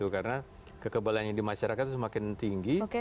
karena kekebalan yang dimasyarakat semakin tinggi